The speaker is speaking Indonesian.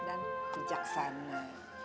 pintar cerdas dan bijaksana